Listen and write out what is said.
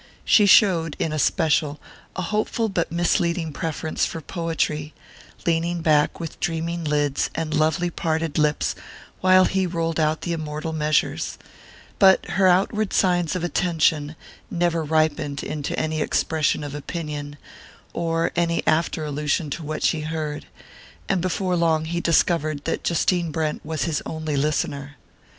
She showed, in especial, a hopeful but misleading preference for poetry, leaning back with dreaming lids and lovely parted lips while he rolled out the immortal measures; but her outward signs of attention never ripened into any expression of opinion, or any after allusion to what she heard, and before long he discovered that Justine Brent was his only listener.